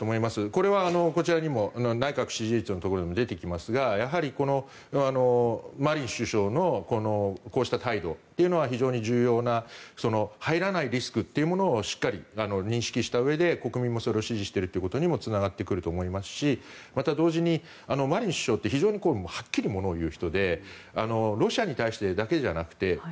これはこちらにも内閣支持率のところにも出てきますがこのマリン首相のこうした態度というのは非常に重要な入らないリスクというものをしっかり認識したうえで国民もそれを支持しているということにもつながってくると思いますしまた同時に、マリン首相って非常にはっきりものをいう人でロシアに対してだけじゃなくてＥＵ